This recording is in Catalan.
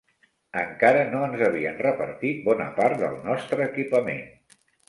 Encara no ens havien repartit bona part del nostre equipament.